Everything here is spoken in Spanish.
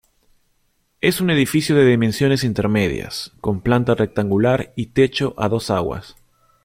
Es un edificio de dimensiones intermedias, con planta rectangular y techo a dos aguas.